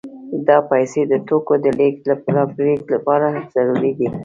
دا پیسې د توکو د لېږد رالېږد لپاره ضروري دي